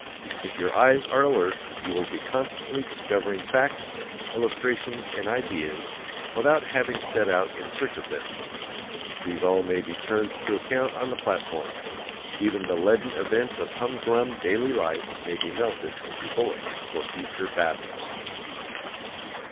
If your eyes are alert you will be constantly discovering facts, illustrations, and ideas without having set out in search of them. These all may be turned to account on the platform; even the leaden events of hum drum daily life may be melted into bullets for future battles.